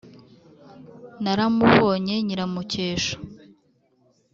naramubonye nyiramukesha